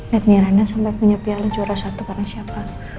lihat nih rena sampai punya piala juara satu karena siapa